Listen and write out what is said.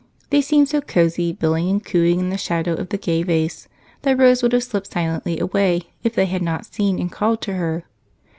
They seemed so cozy, billing and cooing in the shadow of the gay vase, that Rose would have slipped silently away if they had not seen and called to her.